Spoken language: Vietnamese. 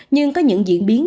nhưng có những diễn biến